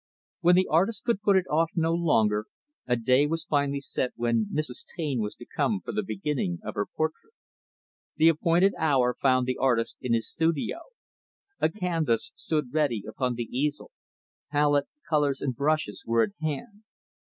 When the artist could put it off no longer, a day was finally set when Mrs. Taine was to come for the beginning of her portrait. The appointed hour found the artist in his studio. A canvas stood ready upon the easel; palette, colors and brushes were at hand.